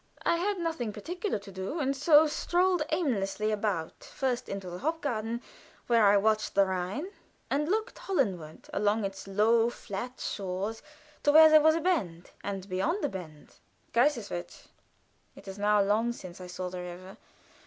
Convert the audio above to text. I had nothing particular to do, and so strolled aimlessly about, first into the Hofgarten, where I watched the Rhine, and looked Hollandward along its low, flat shores, to where there was a bend, and beyond the bend, Kaiserswerth. It is now long since I saw the river.